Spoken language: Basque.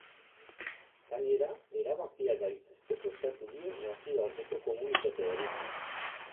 Gainera, erabakia gaitzesteko eskatu dio nazioarteko komunitateari.